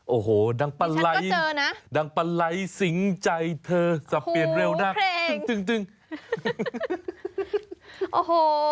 โอ้โหดังปะไหล่ดังปะไหล่สิงใจเธอสับเปียนเร็วนักดึงโอ้โห